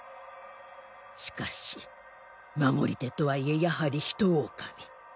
しかし守り手とはいえやはりヒトオオカミ